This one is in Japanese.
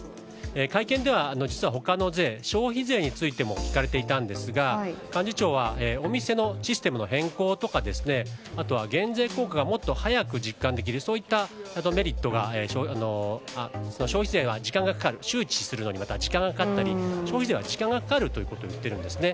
会見では、実は消費税についても聞かれていましたが幹事長は、お店のシステムの変更とかあとは、減税効果がもっと早く実感できる周知するのにまた時間がかかったり消費税は時間がかかると言っているんですね。